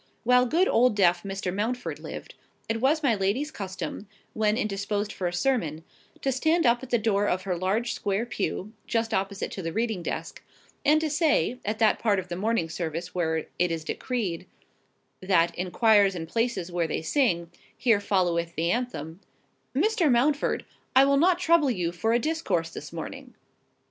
While good old deaf Mr. Mountford lived, it was my lady's custom, when indisposed for a sermon, to stand up at the door of her large square pew,—just opposite to the reading desk,—and to say (at that part of the morning service where it is decreed that, in quires and places where they sing, here followeth the anthem): "Mr. Mountford, I will not trouble you for a discourse this morning."